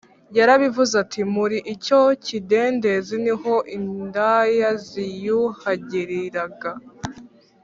Yarabivuze ati Muri icyo kidendezi ni ho indaya ziyuhagiriraga